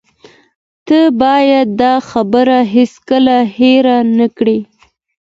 ته باید دا خبره هیڅکله هیره نه کړې